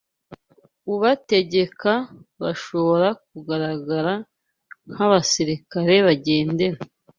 ubategeka, bashobora kugaragara nk’abasirikare bagendera